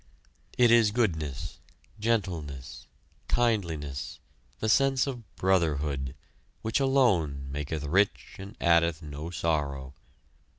It is goodness, gentleness, kindliness, the sense of brotherhood, which alone maketh rich and addeth no sorrow.